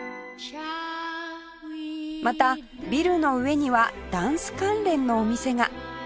またビルの上にはダンス関連のお店が